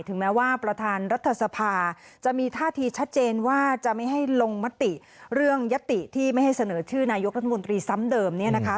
แม้ว่าประธานรัฐสภาจะมีท่าทีชัดเจนว่าจะไม่ให้ลงมติเรื่องยัตติที่ไม่ให้เสนอชื่อนายกรัฐมนตรีซ้ำเดิม